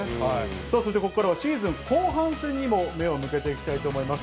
さあ、続いてここからは、シーズン後半戦にも目を向けていきたいと思います。